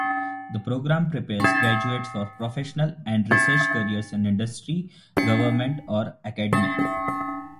The program prepares graduates for professional and research careers in industry, government or academe.